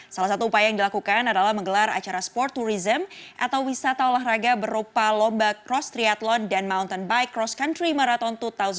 salah satu upaya yang dilakukan adalah menggelar acara sport tourism atau wisata olahraga berupa lomba cross triathlon dan mountain bike cross country marathon dua ribu dua puluh